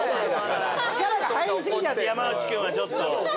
力が入り過ぎちゃって山内君はちょっと。